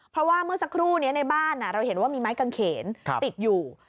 เพราะว่าเมื่อสักครู่นี้ในบ้านเราเห็นว่ามีไม้กางเขนติดอยู่